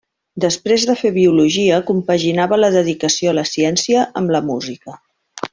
Després de fer biologia, compaginava la dedicació a la ciència amb la música.